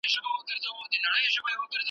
پوښتنه به کوی د زمولېدلو ګلغوټیو ,